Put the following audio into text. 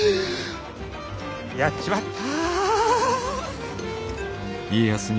やっちまった。